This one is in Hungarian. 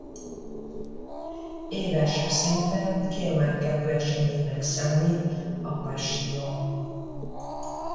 Éves szinten kiemelkedő eseménynek számít a Passió.